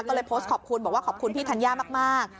ก็เลยโพสต์ขอบคุณบอกว่าขอบคุณพี่ธัญญามาก